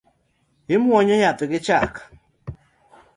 Imuonyo yath gi chak